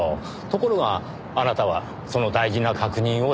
ところがあなたはその大事な確認をしなかった。